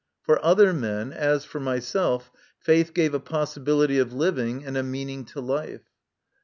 For other men, as for myself, faith gave a possibility of living and a meaning to life.